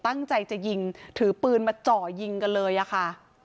ตั้งใจจะยิงถือปืนมาเจาะยิงกันเลยอะค่ะ